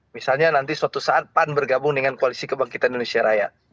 misalnya nanti suatu saat pan bergabung dengan koalisi kebangkitan indonesia raya